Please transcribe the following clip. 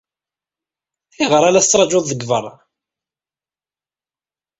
Ayɣer ay la tettṛajuḍ deg beṛṛa?